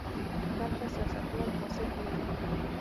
دلته سیاستوال فاسد نه وو.